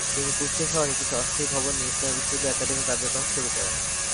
তিনি কুষ্টিয়া শহরে কিছু অস্থায়ী ভবন নিয়ে ইসলামী বিশ্ববিদ্যালয়ের একাডেমিক কার্যক্রম শুরু করেন।